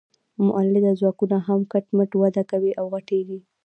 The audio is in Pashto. مؤلده ځواکونه هم کټ مټ وده کوي او غټیږي.